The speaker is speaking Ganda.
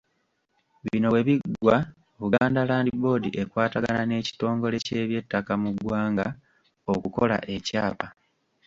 Bino bwe biggwa Buganda Land Board ekwatagana n’ekitongole ky’ebyettaka mu ggwanga okukola ekyapa.